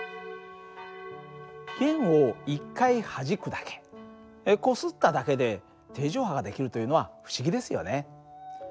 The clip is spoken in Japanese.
弦を１回はじくだけこすっただけで定常波が出来るというのは不思議ですよね。